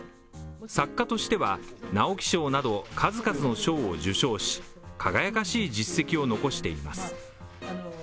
作家としては、直木賞など数々の賞を受賞し輝かしい実績を残しています。